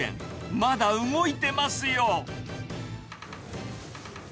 まだ動いてますよ。